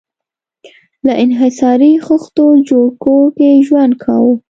له انحصاري خښتو جوړ کور کې ژوند کاوه.